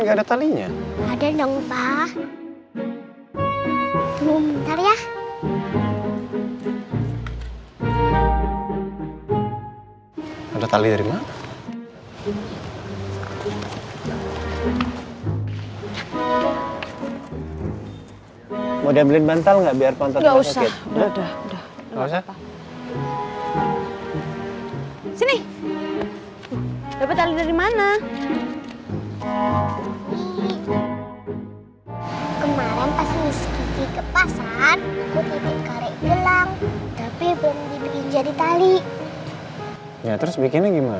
ada ada sebentar yuk